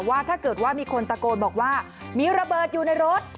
ว่าถ้าเกิดว่ามีคนตะโกนบอกว่ามีระเบิดอยู่ในรถ